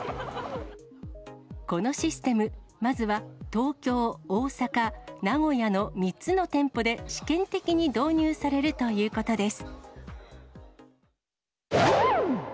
このシステム、まずは東京、大阪、名古屋の３つの店舗で試験的に導入されるということです。